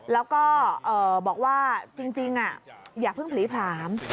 แล้วก็บอกว่าจริงอย่าเพิ่งผลีผลาม